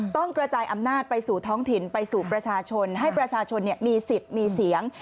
ต้องกระจายอำนาจไปสู่ท้องถิ่นไปสู่ประชาชนให้ประชาชนมีสิทธิ์มีเสียง